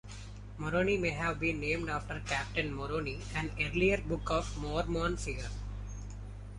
Moroni may have been named after Captain Moroni, an earlier Book of Mormon figure.